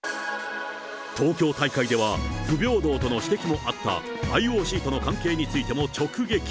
東京大会では、不平等との指摘もあったＩＯＣとの関係についても直撃。